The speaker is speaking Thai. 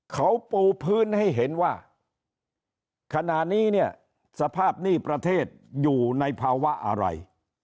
เขาปูพื้นให้เห็นว่าขณะนี้เนี่ยสภาพหนี้ประเทศอยู่ในภาวะอะไร